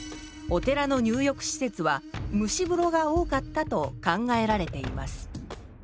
お寺の入浴施設は蒸し風呂が多かったと考えられています